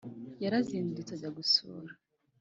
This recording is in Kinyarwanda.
Yarazindutse ajya gusura